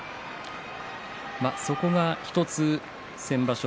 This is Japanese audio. そこが１つ先場所